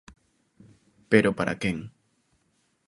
Pero para quen.